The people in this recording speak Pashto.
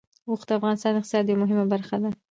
اوښ د افغانستان د اقتصاد یوه مهمه برخه ده.